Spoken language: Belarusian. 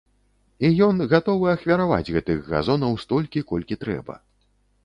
І ён гатовы ахвяраваць гэтых газонаў столькі, колькі трэба.